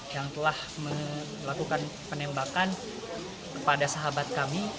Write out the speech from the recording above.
yang telah melakukan penembakan kepada sahabat kami